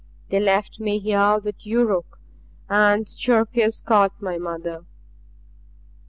They left me here with Yuruk. And Cherkis caught my mother."